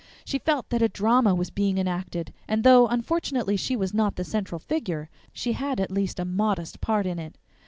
She felt that a drama was being enacted, and though unfortunately she was not the central figure, she had at least a modest part in it.